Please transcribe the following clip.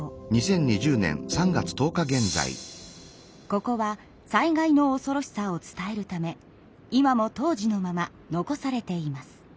ここは災害のおそろしさを伝えるため今も当時のまま残されています。